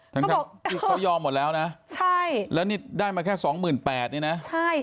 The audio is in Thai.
ทั้งที่เขายอมหมดแล้วนะใช่แล้วนี่ได้มาแค่สองหมื่นแปดนี่นะใช่